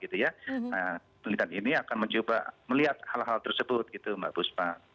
nah penelitian ini akan mencoba melihat hal hal tersebut gitu mbak buspa